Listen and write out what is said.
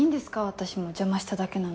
私も邪魔しただけなのに。